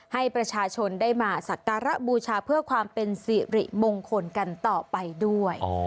ให้ประชาชนได้มาสักการะบูชาเพื่อความเป็นสิริมงคลกันต่อไปด้วย